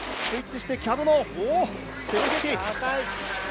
スイッチしてキャブのおー、高い。